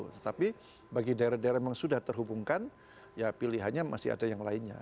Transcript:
tetapi bagi daerah daerah yang sudah terhubungkan ya pilihannya masih ada yang lainnya